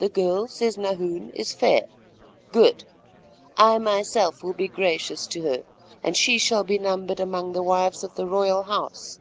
The girl, says Nahoon, is fair—good, I myself will be gracious to her, and she shall be numbered among the wives of the royal house.